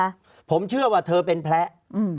ภารกิจสรรค์ภารกิจสรรค์